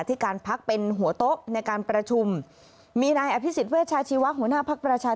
ที่การพักเป็นหัวโต๊ะในการประชุมมีนายอภิษฎเวชาชีวะหัวหน้าภักดิ์ประชา